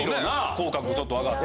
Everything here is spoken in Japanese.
口角ちょっと上がって。